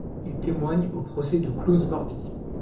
Il témoigne au procès de Klaus Barbie.